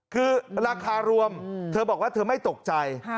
คือราคารวมเธอบอกว่าเธอไม่ตกใจ